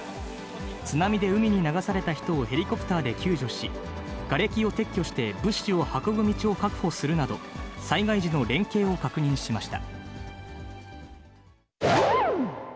津波で海に流された人をヘリコプターで救助し、がれきを撤去して、物資を運ぶ道を確保するなど、災害時の連携を確認しました。